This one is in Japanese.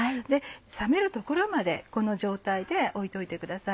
冷めるところまでこの状態で置いておいてください。